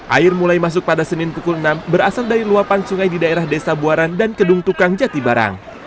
air mulai masuk pada senin pukul enam berasal dari luapan sungai di daerah desa buaran dan kedung tukang jatibarang